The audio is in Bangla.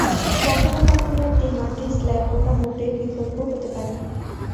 কখনও কখনও একটি মাটির স্ল্যাব মোটা মোটের বিকল্প হতে পারে।